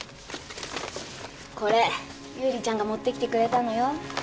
これ優里ちゃんが持ってきてくれたのよ。